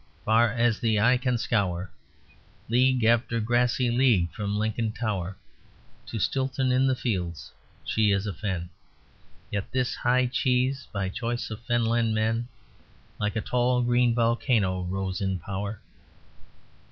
Far as the eye can scour, League after grassy league from Lincoln tower To Stilton in the fields, she is a Fen. Yet this high cheese, by choice of fenland men, Like a tall green volcano rose in power.